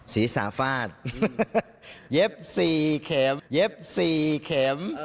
สีสาฟาสเย็บสี่เข็ม